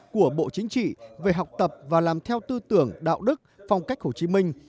của bộ chính trị về học tập và làm theo tư tưởng đạo đức phong cách hồ chí minh